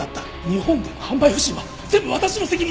日本での販売不振は全部私の責任ですか！？